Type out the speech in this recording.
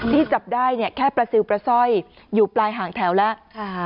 ที่จับได้แค่ประซิลประซ่อยอยู่ปลายห่างแถวแล้ว